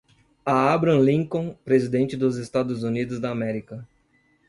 A Abraham Lincoln, Presidente dos Estados Unidos da América